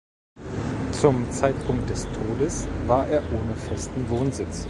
Zum Zeitpunkt des Todes war er ohne festen Wohnsitz.